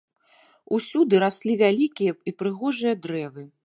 Усюды раслі вялікія і прыгожыя дрэвы.